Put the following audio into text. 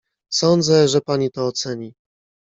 "Sądzę, że pani to oceni."